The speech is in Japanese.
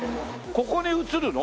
ここに映るの？